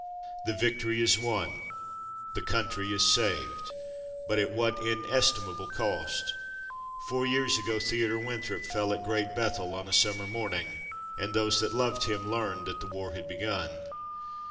The victory is won; the country is saved; but at what inestimable cost! Four years ago Theodore Winthrop fell at Great Bethel, on a summer morning, and those that loved him learned that the war had begun.